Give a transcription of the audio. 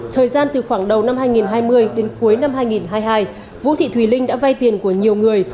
thời gian từ khoảng đầu năm hai nghìn hai mươi đến cuối năm hai nghìn hai mươi hai vũ thị thùy linh đã vay tiền của nhiều người